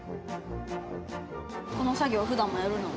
この作業はふだんもやるの？